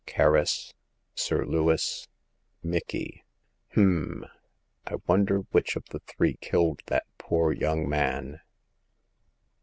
Kerris, Sir Lewis, Micky— h'm ! I wonder which of the three killed that poor young man."